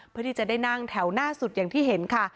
เพื่อที่จะได้นั่งแถวหน้าสุดอย่างที่เห็นค่ะ